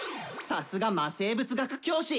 さすが魔生物学教師！